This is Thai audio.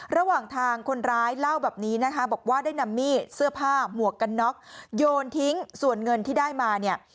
ระหว่างทางคนร้ายว่าได้นำมิเสื้อผ้าหัวกันน็อคโยนทิ้งส่วนเงินที่ได้มา